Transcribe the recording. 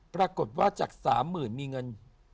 ปรากฏว่าจาก๓๐๐๐มีเงิน